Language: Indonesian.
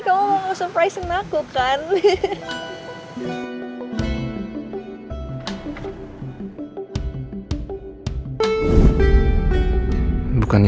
kamu mau nge surprisein aku kan